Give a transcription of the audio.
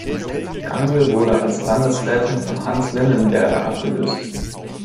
Gangl wurde als Landesrätin von Hans Lindenberger abgelöst.